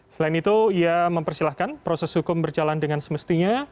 selain itu ia mempersilahkan proses hukum berjalan dengan semestinya